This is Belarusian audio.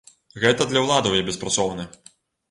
Гэта для ўладаў я беспрацоўны.